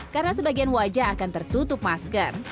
karena sebagian wajah akan tertutup masker